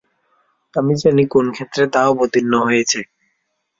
আমি জানি কোন ক্ষেত্রে তা অবতীর্ণ হয়েছে।